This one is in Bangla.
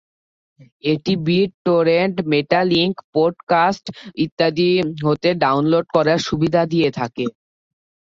এটি বিট টোরেন্ট, মেটালিঙ্ক, পোডকাস্ট ইত্যাদি হতে ডাউনলোড করার সুবিধা দিয়ে থাকে।